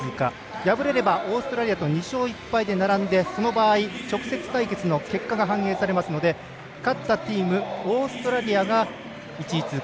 敗れればオーストラリアと２勝１敗で並んで、その場合直接対決の結果が反映されますので勝ったチームオーストラリアが１位通過。